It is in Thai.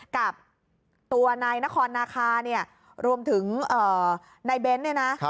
กับตัวนายนครนาคารวมถึงนายเบนท์